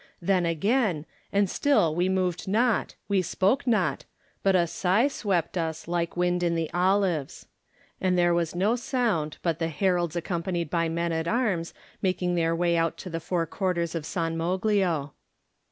Then again, and still we moved not, we spoke not, but a sigh swept us like wind in the olives. And there was no sound but the heralds accompanied by men at arms making their way out to the four quarters of San Moglio.